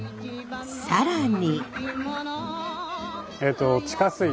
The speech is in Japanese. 更に。